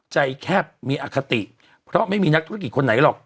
แคบมีอคติเพราะไม่มีนักธุรกิจคนไหนหรอก